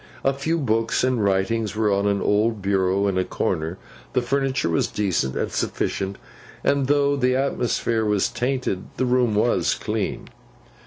A few books and writings were on an old bureau in a corner, the furniture was decent and sufficient, and, though the atmosphere was tainted, the room was clean.